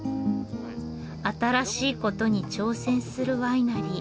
新しいことに挑戦するワイナリー。